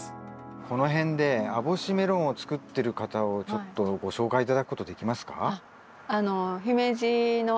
この辺で網干メロンを作ってる方をちょっとご紹介頂くことできますか？